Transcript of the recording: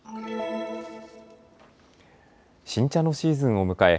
新茶のシーズンを迎え